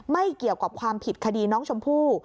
เกี่ยวกับความผิดคดีน้องชมพู่